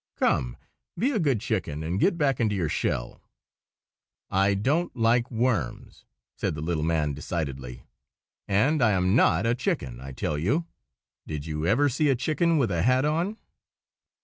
Come, be a good chicken, and get back into your shell!" "I don't like worms," said the little man, decidedly. "And I am not a chicken, I tell you. Did you ever see a chicken with a hat on?"